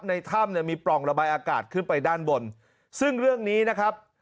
ในถ้ำเนี่ยมีปล่องระบายอากาศขึ้นไปด้านบนซึ่งเรื่องนี้นะครับ